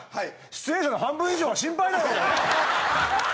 出演者の半分以上が心配だよ俺。